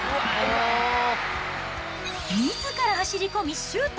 みずから走り込み、シュート。